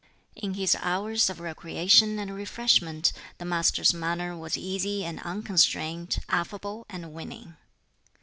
In his hours of recreation and refreshment the Master's manner was easy and unconstrained, affable and winning.